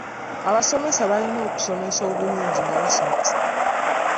Abasomesa balina okusomesa obulungi nga basomesa.